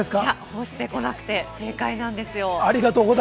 干してなくて正解なんですよ。